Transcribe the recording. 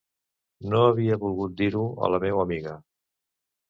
No havia volgut dir-ho a la meua amiga.